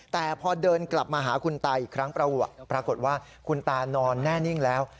แต่พอเดินกลับมาหาคุณตาอีกครั้งปรากฏว่าคุณตานอนแน่นิ่งแล้ว